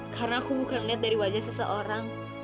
karena aku bukan ngeliat dari wajah seseorang